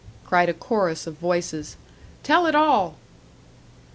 cried a chorus of voices "Tell it all!"